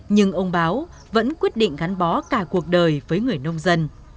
nhưng ông báo vẫn quyết định gắn bó cả cuộc đời với người nông dân